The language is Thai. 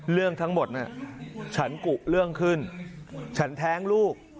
เรื่องทั้งหมดน่ะฉันกุเรื่องขึ้นฉันแท้งลูก